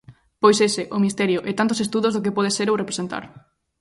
Pois ese, o misterio, e tantos estudos do que pode ser ou representar.